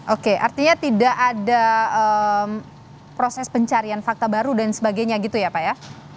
oke artinya tidak ada proses pencarian fakta baru dan sebagainya gitu ya pak ya